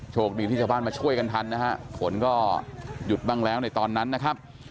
โชคดีที่ชาวบ้านมาช่วยกันทันนะฮะฝนก็หยุดบ้างแล้วในตอนนั้นนะครับ